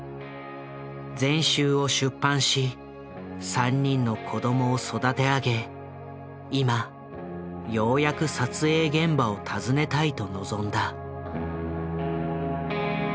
全集を出版し３人の子供を育て上げ今ようやく撮影現場を訪ねたいと望んだ。